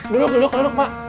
duduk duduk duduk mak